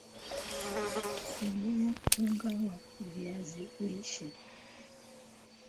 tumia unga wa viazi lishe